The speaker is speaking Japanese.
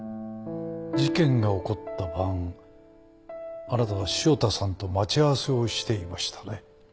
事件が起こった晩あなたは汐田さんと待ち合わせをしていましたね？